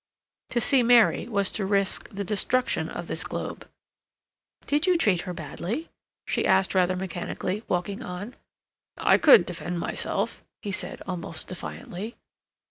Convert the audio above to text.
To see Mary was to risk the destruction of this globe. "Did you treat her badly?" she asked rather mechanically, walking on. "I could defend myself," he said, almost defiantly.